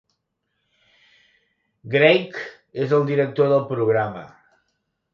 Greig és el Director del Programa.